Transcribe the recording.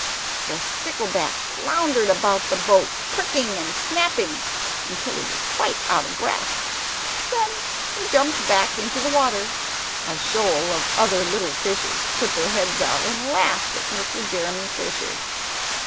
The stickleback floundered about the boat, pricking and snapping until he was quite out of breath. Then he jumped back into the water. And a shoal of other little fishes put their heads out, and laughed at Mr. Jeremy Fisher.